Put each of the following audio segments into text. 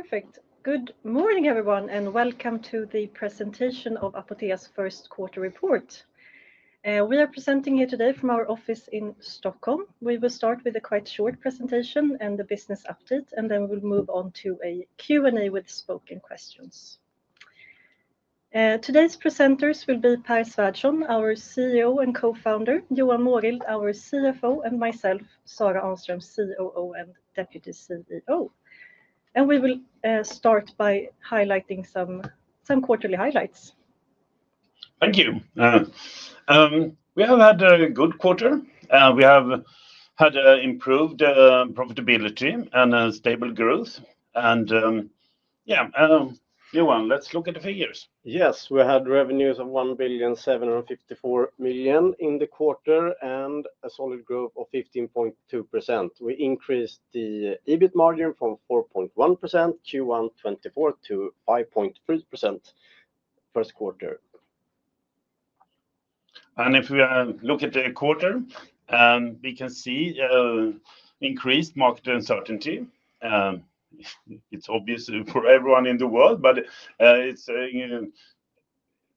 Perfect. Good morning, everyone, and welcome to the presentation of Apotea's first quarter report. We are presenting here today from our office in Stockholm. We will start with a quite short presentation and the business update, and then we will move on to a Q&A with spoken questions. Today's presenters will be Pär Svärdson, our CEO and co-founder, Johan Mårild, our CFO, and myself, Sarah Ahnström, COO and Deputy CEO. We will start by highlighting some quarterly highlights. Thank you. We have had a good quarter. We have had improved profitability and stable growth. Yeah, Johan, let's look at the figures. Yes, we had revenues of 1,754,000,000 in the quarter and a solid growth of 15.2%. We increased the EBIT margin from 4.1% Q1 2024 to 5.3% first quarter. If we look at the quarter, we can see increased market uncertainty. It's obvious for everyone in the world, but the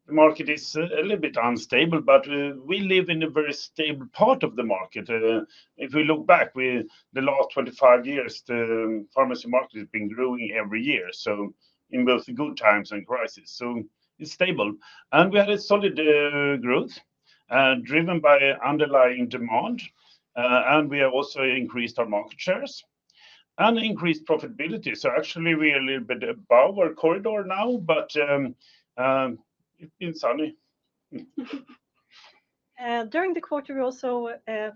market is a little bit unstable. We live in a very stable part of the market. If we look back, the last 25 years, the pharmacy market has been growing every year, in both good times and crises. It's stable. We had solid growth driven by underlying demand. We have also increased our market shares and increased profitability. Actually, we are a little bit above our corridor now, but it's been sunny. During the quarter, we also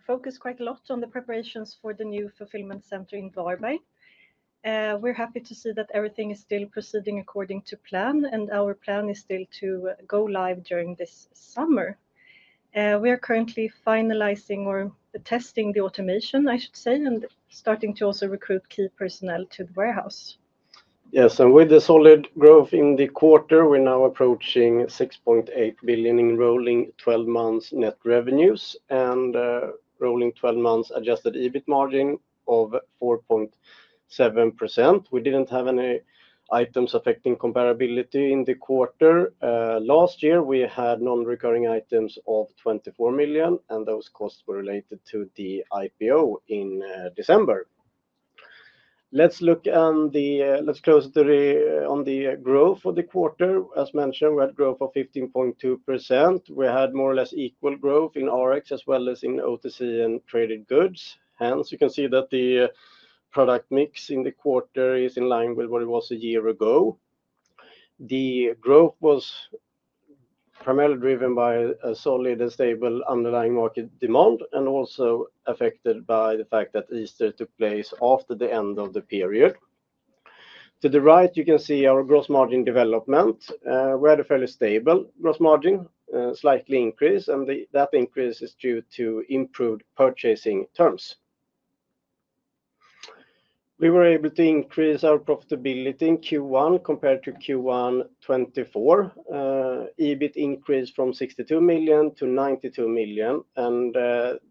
focused quite a lot on the preparations for the new fulfillment center in Varberg. We're happy to see that everything is still proceeding according to plan, and our plan is still to go live during this summer. We are currently finalizing or testing the automation, I should say, and starting to also recruit key personnel to the warehouse. Yes, and with the solid growth in the quarter, we're now approaching 6.8 billion in rolling 12 months net revenues and rolling 12 months adjusted EBIT margin of 4.7%. We didn't have any items affecting comparability in the quarter. Last year, we had non-recurring items of 24 million, and those costs were related to the IPO in December. Let's look on the let's close on the growth for the quarter. As mentioned, we had growth of 15.2%. We had more or less equal growth in Rx as well as in OTC and traded goods. Hence, you can see that the product mix in the quarter is in line with what it was a year ago. The growth was primarily driven by a solid and stable underlying market demand and also affected by the fact that Easter took place after the end of the period. To the right, you can see our gross margin development. We had a fairly stable gross margin, slightly increased, and that increase is due to improved purchasing terms. We were able to increase our profitability in Q1 compared to Q1 2024. EBIT increased from 62 million -92 million.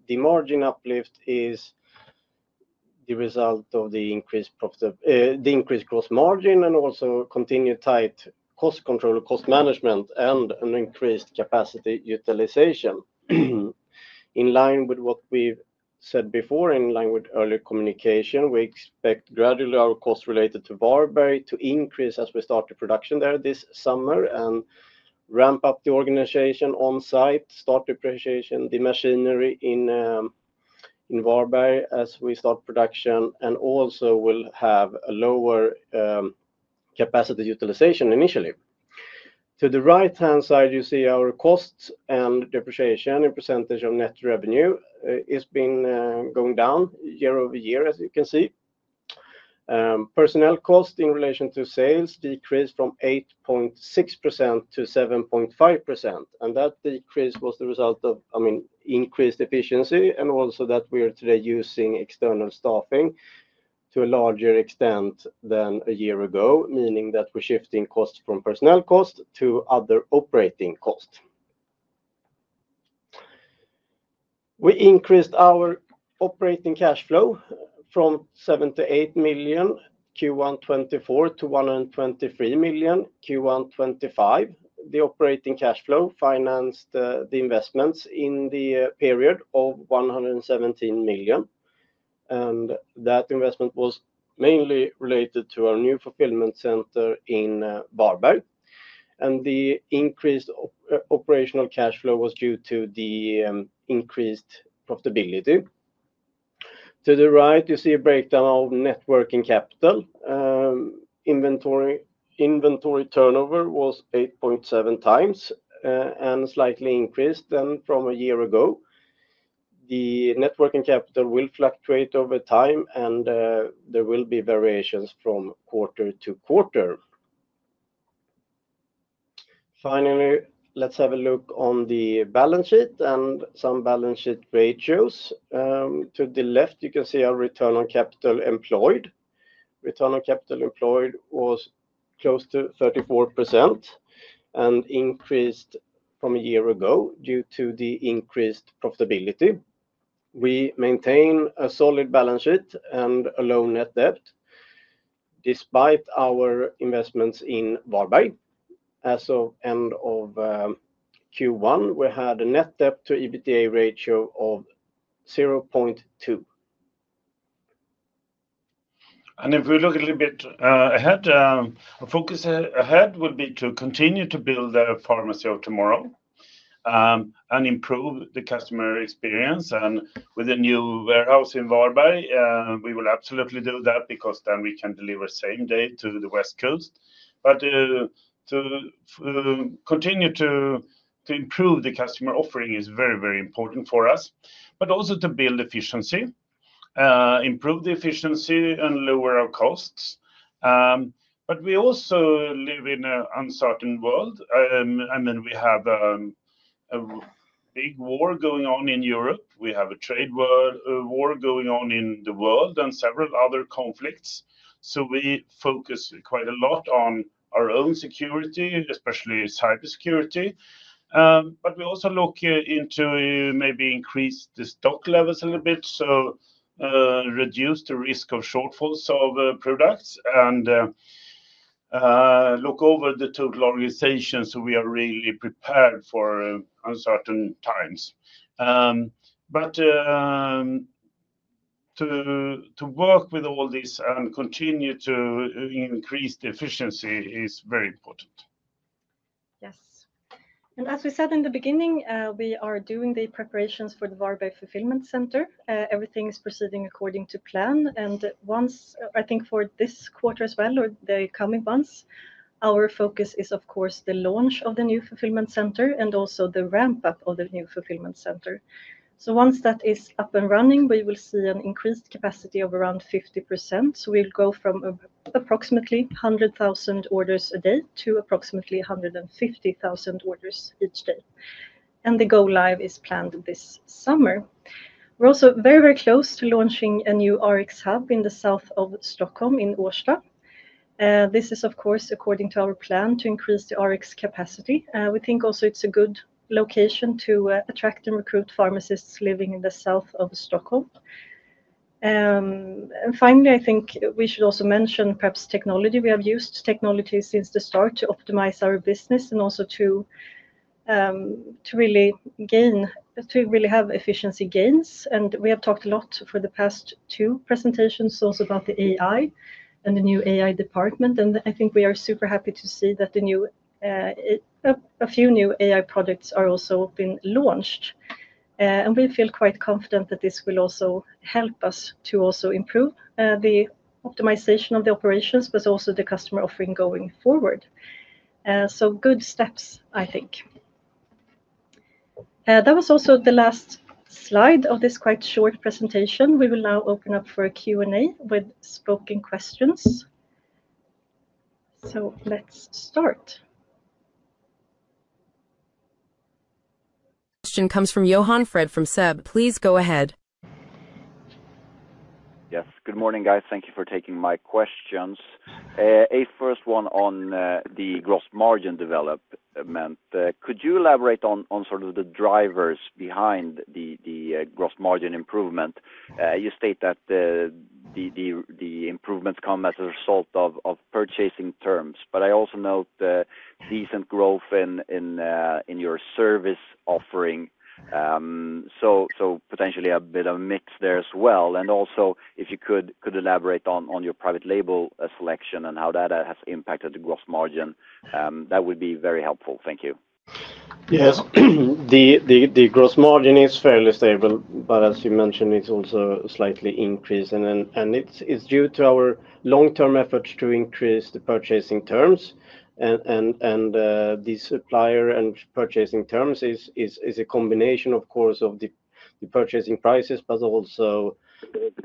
The margin uplift is the result of the increased gross margin and also continued tight cost control and cost management and an increased capacity utilization. In line with what we've said before, in line with earlier communication, we expect gradually our costs related to Varberg to increase as we start the production there this summer and ramp up the organization on site, start depreciation, the machinery in Varberg as we start production, and also will have a lower capacity utilization initially. To the right-hand side, you see our costs and depreciation in percentage of net revenue has been going down year-over-year, as you can see. Personnel cost in relation to sales decreased from 8.6%-7.5%. That decrease was the result of, I mean, increased efficiency and also that we are today using external staffing to a larger extent than a year ago, meaning that we're shifting costs from personnel cost to other operating costs. We increased our operating cash flow from 78 million Q1 2024 to 123 million Q1 2025. The operating cash flow financed the investments in the period of 117 million. That investment was mainly related to our new fulfillment center in Varberg. The increased operational cash flow was due to the increased profitability. To the right, you see a breakdown of net working capital. Inventory turnover was 8.7x and slightly increased than from a year ago. The net working capital will fluctuate over time, and there will be variations from quarter-to-quarter. Finally, let's have a look on the balance sheet and some balance sheet ratios. To the left, you can see our return on capital employed. Return on capital employed was close to 34% and increased from a year ago due to the increased profitability. We maintain a solid balance sheet and a low net debt despite our investments in Varberg. As of end of Q1, we had a net debt to EBITDA ratio of 0.2. If we look a little bit ahead, our focus ahead will be to continue to build the pharmacy of tomorrow and improve the customer experience. With a new warehouse in Varberg, we will absolutely do that because then we can deliver same day to the West Coast. To continue to improve the customer offering is very, very important for us, but also to build efficiency, improve the efficiency, and lower our costs. We also live in an uncertain world. I mean, we have a big war going on in Europe. We have a trade war going on in the world and several other conflicts. We focus quite a lot on our own security, especially cybersecurity. We also look into maybe increase the stock levels a little bit to reduce the risk of shortfalls of products and look over the total organization so we are really prepared for uncertain times. To work with all this and continue to increase the efficiency is very important. Yes. As we said in the beginning, we are doing the preparations for the Varberg fulfillment center. Everything is proceeding according to plan. For this quarter as well or the coming months, our focus is, of course, the launch of the new fulfillment center and also the ramp-up of the new fulfillment center. Once that is up and running, we will see an increased capacity of around 50%. We will go from approximately 100,000 orders a day to approximately 150,000 orders each day. The go-live is planned this summer. We are also very, very close to launching a new Rx hub in the south of Stockholm in Årsta. This is, of course, according to our plan to increase the Rx capacity. We think also it is a good location to attract and recruit pharmacists living in the south of Stockholm. Finally, I think we should also mention perhaps technology. We have used technology since the start to optimize our business and also to really have efficiency gains. We have talked a lot for the past two presentations also about the AI and the new AI department. I think we are super happy to see that a few new AI products are also being launched. We feel quite confident that this will also help us to also improve the optimization of the operations, but also the customer offering going forward. Good steps, I think. That was also the last slide of this quite short presentation. We will now open up for a Q&A with spoken questions. Let's start. Question comes from Johan Fred from SEB. Please go ahead. Yes. Good morning, guys. Thank you for taking my questions. A first one on the gross margin development. Could you elaborate on sort of the drivers behind the gross margin improvement? You state that the improvements come as a result of purchasing terms, but I also note decent growth in your service offering. Potentially a bit of a mix there as well. Also, if you could elaborate on your private label selection and how that has impacted the gross margin, that would be very helpful. Thank you. Yes. The gross margin is fairly stable, but as you mentioned, it's also slightly increased. It's due to our long-term efforts to increase the purchasing terms. The supplier and purchasing terms is a combination, of course, of the purchasing prices, but also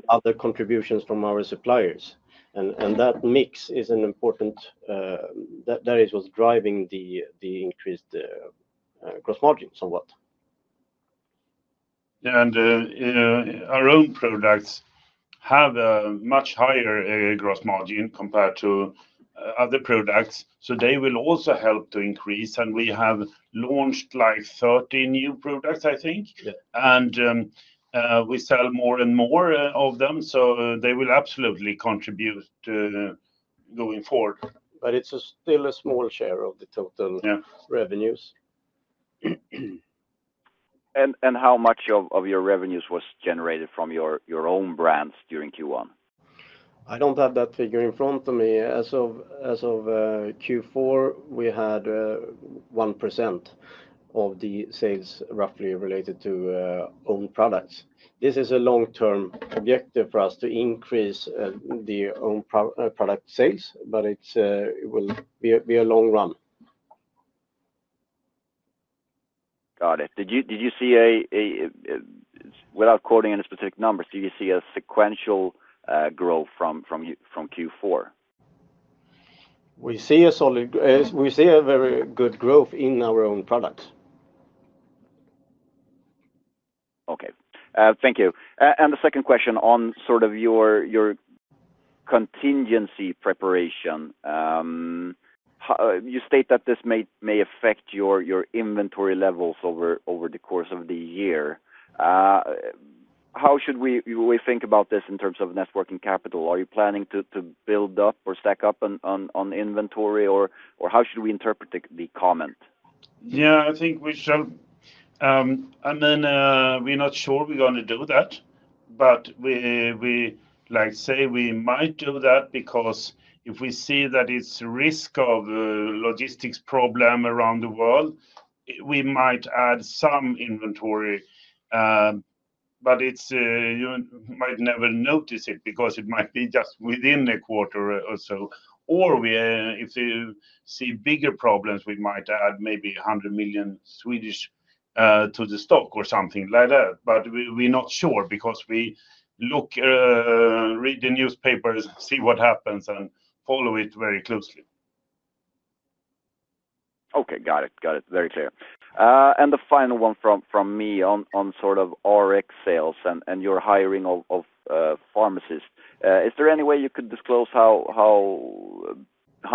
other contributions from our suppliers. That mix is important. That is what's driving the increased gross margin somewhat. Our own products have a much higher gross margin compared to other products. They will also help to increase. We have launched like 30 new products, I think. We sell more and more of them. They will absolutely contribute going forward. It is still a small share of the total revenues. How much of your revenues was generated from your own brands during Q1? I don't have that figure in front of me. As of Q4, we had 1% of the sales roughly related to owned products. This is a long-term objective for us to increase the owned product sales, but it will be a long run. Got it. Did you see a, without quoting any specific numbers, did you see a sequential growth from Q4? We see a very good growth in our own products. Okay. Thank you. The second question on sort of your contingency preparation. You state that this may affect your inventory levels over the course of the year. How should we think about this in terms of net working capital? Are you planning to build up or stack up on inventory, or how should we interpret the comment? Yeah, I think we should. I mean, we're not sure we're going to do that, but we say we might do that because if we see that it's a risk of logistics problem around the world, we might add some inventory. You might never notice it because it might be just within a quarter or so. If you see bigger problems, we might add maybe 100 million to the stock or something like that. We're not sure because we look, read the newspapers, see what happens, and follow it very closely. Okay. Got it. Got it. Very clear. The final one from me on sort of Rx sales and your hiring of pharmacists. Is there any way you could disclose how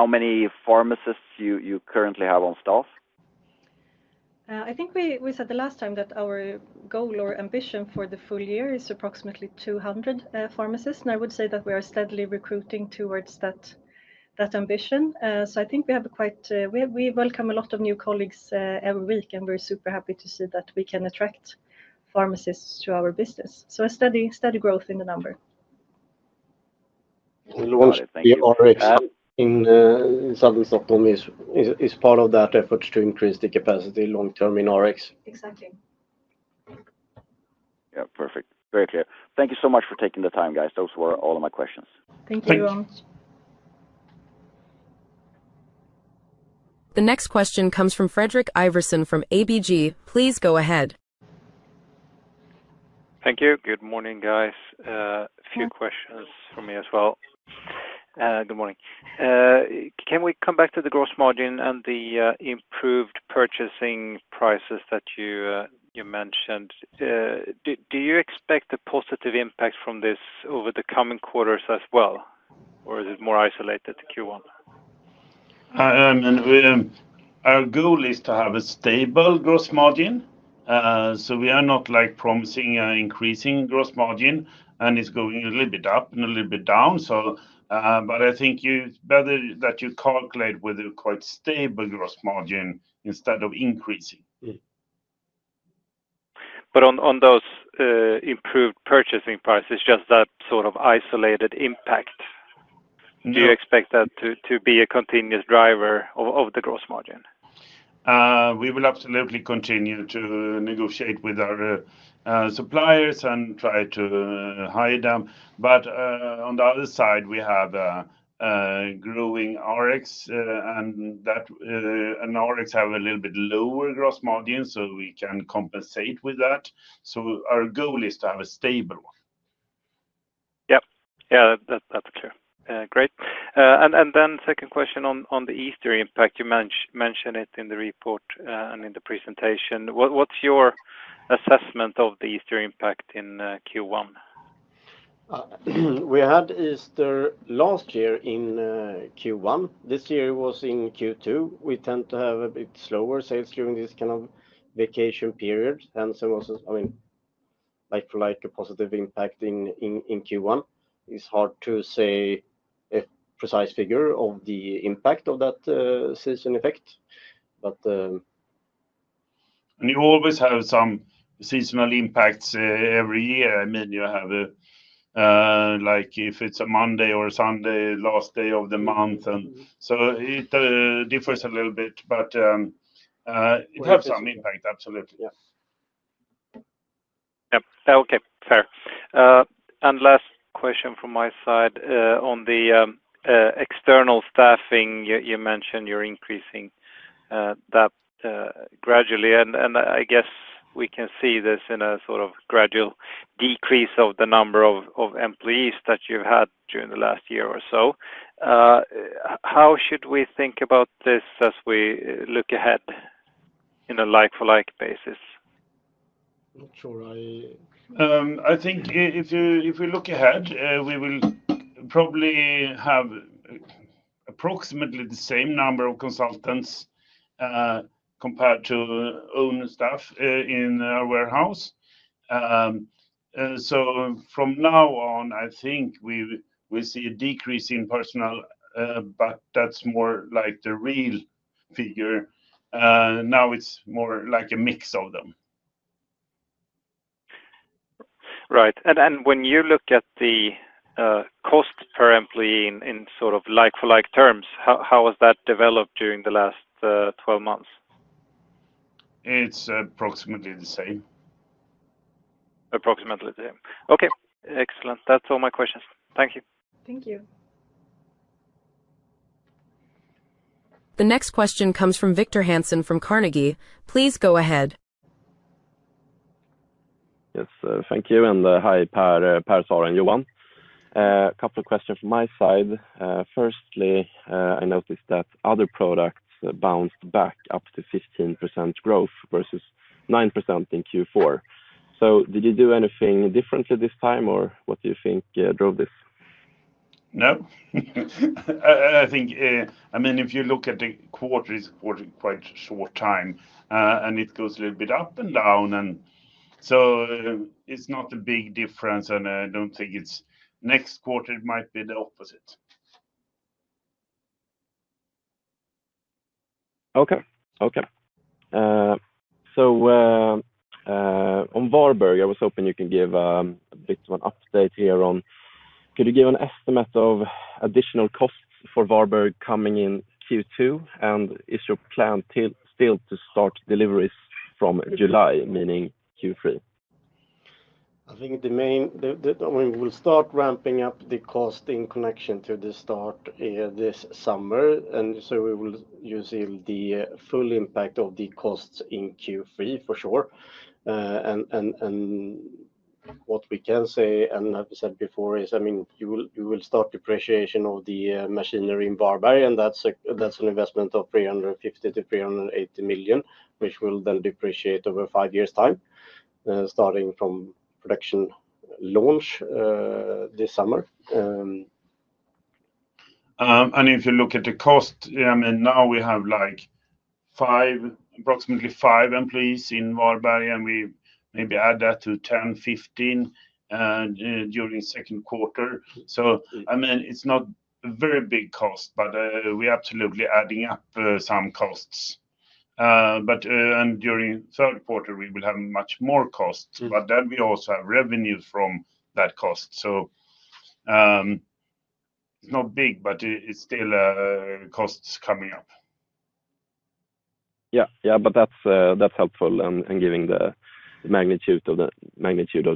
many pharmacists you currently have on staff? I think we said the last time that our goal or ambition for the full year is approximately 200 pharmacists. I would say that we are steadily recruiting towards that ambition. I think we have quite, we welcome a lot of new colleagues every week, and we're super happy to see that we can attract pharmacists to our business. A steady growth in the number. Launch of the Rx in southern Stockholm is part of that effort to increase the capacity long-term in Rx. Exactly. Yeah. Perfect. Very clear. Thank you so much for taking the time, guys. Those were all of my questions. Thank you. The next question comes from Frederik Iversen from ABG. Please go ahead. Thank you. Good morning, guys. A few questions for me as well. Good morning. Can we come back to the gross margin and the improved purchasing prices that you mentioned? Do you expect a positive impact from this over the coming quarters as well, or is it more isolated to Q1? I mean, our goal is to have a stable gross margin. We are not promising an increasing gross margin, and it is going a little bit up and a little bit down. I think it is better that you calculate with a quite stable gross margin instead of increasing. On those improved purchasing prices, just that sort of isolated impact, do you expect that to be a continuous driver of the gross margin? We will absolutely continue to negotiate with our suppliers and try to hire them. On the other side, we have a growing Rx, and Rx have a little bit lower gross margin, so we can compensate with that. Our goal is to have a stable one. Yep. Yeah, that's clear. Great. Then second question on the Easter impact. You mentioned it in the report and in the presentation. What's your assessment of the Easter impact in Q1? We had Easter last year in Q1. This year was in Q2. We tend to have a bit slower sales during this kind of vacation period. I mean, like a positive impact in Q1, it's hard to say a precise figure of the impact of that seasonal effect, but. You always have some seasonal impacts every year, I mean, you have like if it's a Monday or Sunday, last day of the month. It differs a little bit, but it has some impact, absolutely. Yep. Okay. Fair. Last question from my side on the external staffing, you mentioned you're increasing that gradually. I guess we can see this in a sort of gradual decrease of the number of employees that you've had during the last year or so. How should we think about this as we look ahead in a like-for-like basis? Not sure. I think if we look ahead, we will probably have approximately the same number of consultants compared to own staff in our warehouse. From now on, I think we will see a decrease in personnel, but that's more like the real figure. Now it's more like a mix of them. Right. When you look at the cost per employee in sort of like-for-like terms, how has that developed during the last 12 months? It's approximately the same. Approximately the same. Okay. Excellent. That's all my questions. Thank you. Thank you. The next question comes from Victor Hansen from Carnegie. Please go ahead. Yes. Thank you. Hi, Pär, Sarah, Johan. A couple of questions from my side. Firstly, I noticed that other products bounced back up to 15% growth versus 9% in Q4. Did you do anything differently this time, or what do you think drove this? No. I mean, if you look at the quarters, quarter quite short time, and it goes a little bit up and down. It is not a big difference, and I do not think it is next quarter, it might be the opposite. Okay. Okay. So on Varberg, I was hoping you can give a bit of an update here on could you give an estimate of additional costs for Varberg coming in Q2? And is your plan still to start deliveries from July, meaning Q3? I think the main, I mean, we will start ramping up the cost in connection to the start this summer. We will use the full impact of the costs in Q3 for sure. What we can say, and as I said before, is, I mean, you will start depreciation of the machinery in Varberg, and that's an investment of 350 million-380 million, which will then depreciate over five years' time, starting from production launch this summer. If you look at the cost, I mean, now we have approximately five employees in Varberg, and we maybe add that to 10-15 during second quarter. I mean, it's not a very big cost, but we're absolutely adding up some costs. During third quarter, we will have much more costs. Then we also have revenue from that cost. It's not big, but it's still costs coming up. Yeah. Yeah. That's helpful in giving the magnitude of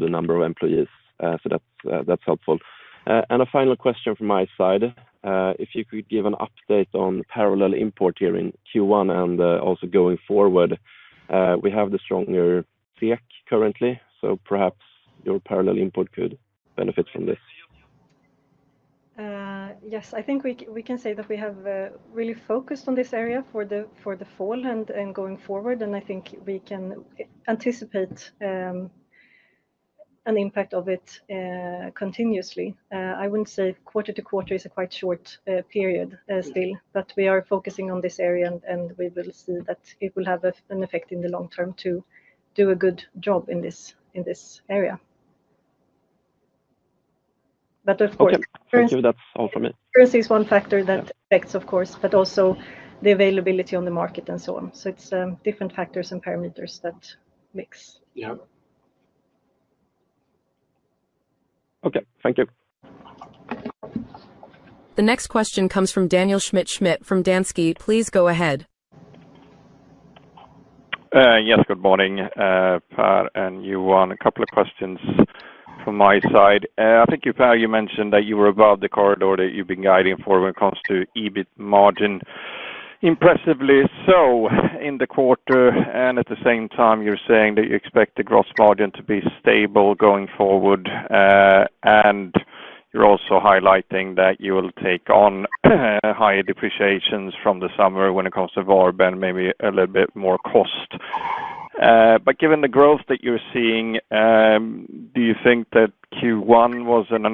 the number of employees. That's helpful. A final question from my side. If you could give an update on parallel import here in Q1 and also going forward, we have the stronger SEK currently. Perhaps your parallel import could benefit from this. Yes. I think we can say that we have really focused on this area for the fall and going forward. I think we can anticipate an impact of it continuously. I would not say quarter-to-quarter is a quite short period still, but we are focusing on this area, and we will see that it will have an effect in the long term to do a good job in this area. Of course. Okay. Thank you. That's all for me. Currency is one factor that affects, of course, but also the availability on the market and so on. It is different factors and parameters that mix. Yeah. Okay. Thank you. The next question comes from Daniel Schmidt-Schmidt from Danske. Please go ahead. Yes. Good morning, Pär and Johan. A couple of questions from my side. I think you, Pär, you mentioned that you were above the corridor that you've been guiding for when it comes to EBIT margin. Impressively so, in the quarter. At the same time, you're saying that you expect the gross margin to be stable going forward. You're also highlighting that you will take on higher depreciations from the summer when it comes to Varberg, maybe a little bit more cost. Given the growth that you're seeing, do you think that Q1 was an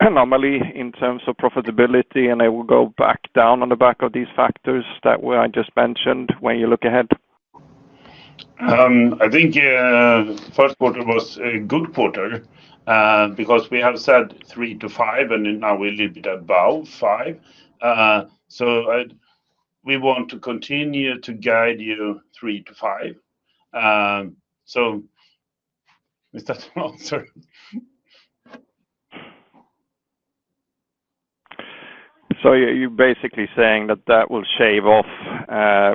anomaly in terms of profitability? It will go back down on the back of these factors that I just mentioned when you look ahead? I think first quarter was a good quarter because we have said 3-5, and now we're a little bit above five. We want to continue to guide you 3-5. Is that an answer? You're basically saying that that will shave off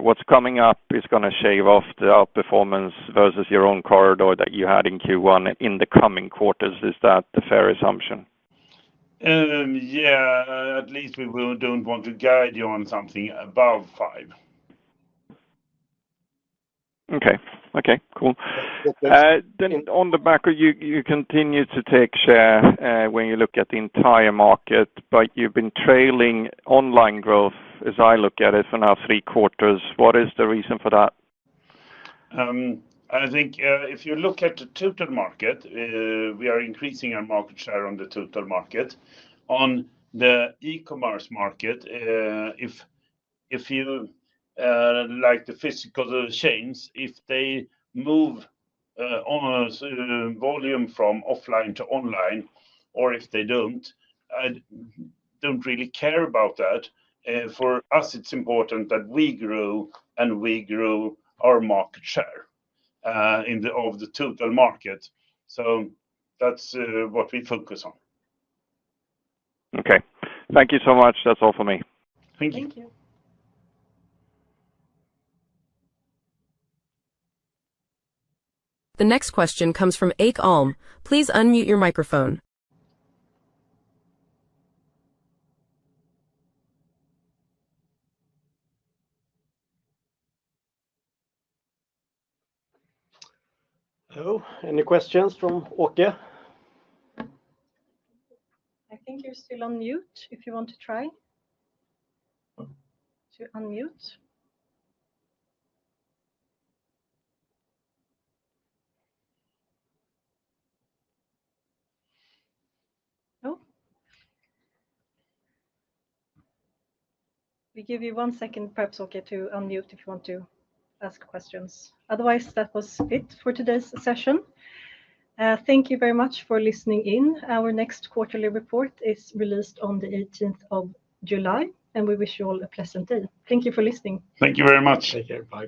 what's coming up is going to shave off the outperformance versus your own corridor that you had in Q1 in the coming quarters. Is that the fair assumption? Yeah. At least we don't want to guide you on something above five. Okay. Okay. Cool. On the back, you continue to take share when you look at the entire market, but you've been trailing online growth, as I look at it, for now three quarters. What is the reason for that? I think if you look at the total market, we are increasing our market share on the total market. On the e-commerce market, if you like the physical chains, if they move volume from offline to online, or if they do not, I do not really care about that. For us, it is important that we grow and we grow our market share of the total market. That is what we focus on. Okay. Thank you so much. That's all for me. Thank you. Thank you. The next question comes from Åke Alm. Please unmute your microphone. Hello. Any questions from Åke? I think you're still on mute. If you want to try to unmute. No? We give you one second, perhaps, Åke, to unmute if you want to ask questions. Otherwise, that was it for today's session. Thank you very much for listening in. Our next quarterly report is released on the 18th of July, and we wish you all a pleasant day. Thank you for listening. Thank you very much. Take care.